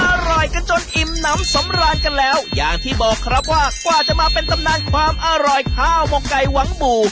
อร่อยกันจนอิ่มน้ำสำราญกันแล้วอย่างที่บอกครับว่ากว่าจะมาเป็นตำนานความอร่อยข้าวหมกไก่หวังหมู่